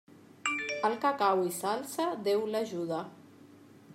Al que cau i s'alça, Déu l'ajuda.